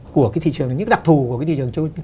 của cái thị trường những đặc thù của cái thị trường